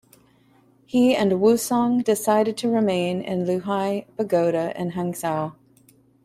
He and Wu Song decide to remain in Liuhe Pagoda in Hangzhou.